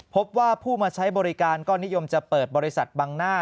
พบว่าผู้มาใช้บริการก็นิยมจะเปิดบริษัทบังหน้า